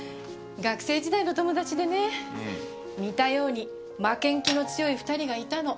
学生時代の友達でね似たように負けん気の強い２人がいたの。